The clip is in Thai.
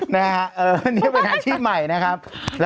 นี่เป็นนาชีพใหม่นะครับ